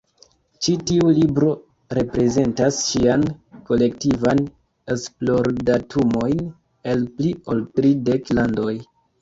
Ĉi tiu libro reprezentas ŝian kolektivan esplordatumojn el pli ol tridek landoj.